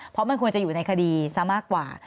เพราะมันควรจะอยู่ในคดีซะมากกว่า